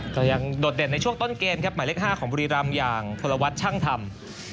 ก็ยังโดดเด่นในช่วงต้นเกมครับหมายเลข๕ของบุรีรำอย่างธนวัฒน์ช่างธรรม